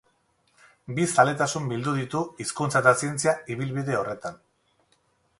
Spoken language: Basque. Bi zaletasun bildu ditu, hizkuntza eta zientzia, ibilbide horretan.